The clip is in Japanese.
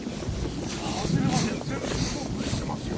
外れ馬券全部ストックしてますよ。